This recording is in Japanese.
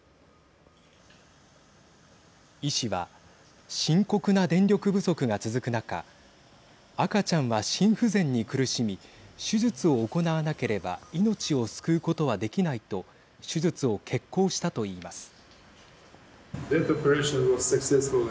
医師は、深刻な電力不足が続く中赤ちゃんは心不全に苦しみ手術を行わなければ命を救うことはできないと手術を決行したと言います。